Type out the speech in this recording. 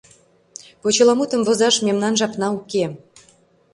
Почеламутым возаш мемнан жапна уке.